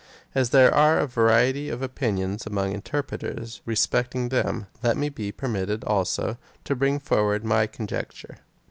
As there are a variety of opinions among interpreters respecting them, let me be permitted, also, to bring forward my con jecture.